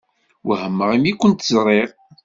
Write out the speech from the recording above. Wehmeɣ imi kent-ẓṛiɣ.